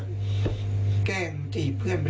ผมก็แกล้งจีบเพื่อนไปเลย